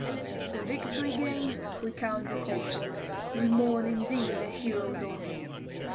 The victory gain'd, we count the cost, We mourn, indeed, a hero lost!